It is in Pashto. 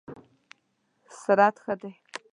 سرعت ښه دی؟